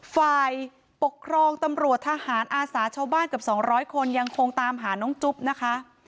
ฝ่ายปกครองตำรวจทหารอาสาชาวบ้านเกือบ๒๐๐คนยังคงตามหาน้องจุ๊บนะคะ